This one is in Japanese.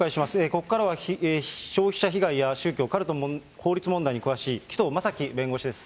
ここからは消費者被害や宗教、カルトの法律問題に詳しい紀藤正樹弁護士です。